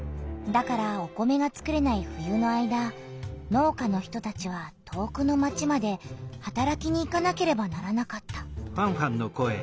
だからお米がつくれない冬の間農家の人たちは遠くの町まではたらきに行かなければならなかった。